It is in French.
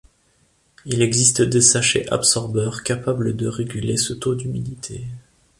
Il existe des sachets absorbeurs capables de réguler ce taux d'humidité.